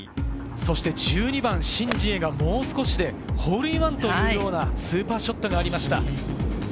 そして１２番、シン・ジエがもう少しでホールインワンというようなスーパーショットがありました。